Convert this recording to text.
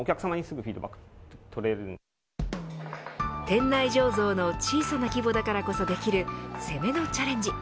店内醸造の小さな規模だからこそできる攻めのチャレンジ。